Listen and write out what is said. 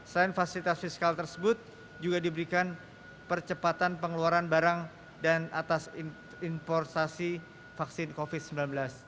selain fasilitas fiskal tersebut juga diberikan percepatan pengeluaran barang dan atas importasi vaksin covid sembilan belas